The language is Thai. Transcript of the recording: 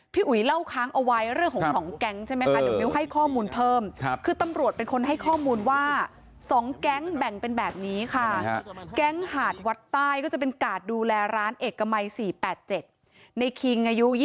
พี่อุ๋ยเล่าคร้างเอาไว้เรื่องของ๒แก๊งใช่ไหม